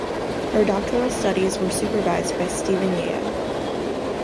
Her doctoral studies were supervised by Stephen Yeo.